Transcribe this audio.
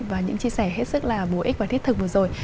và những chia sẻ hết sức là bổ ích và thiết thực vừa rồi